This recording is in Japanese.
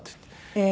ええー。